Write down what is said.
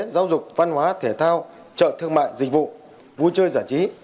giáo dục văn hóa thể thao chợ thương mại dịch vụ vui chơi giải trí